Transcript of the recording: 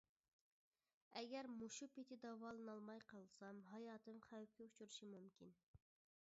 ئەگەر مۇشۇ پېتى داۋالىنالماي قالسام، ھاياتىم خەۋپكە ئۇچرىشى مۇمكىن.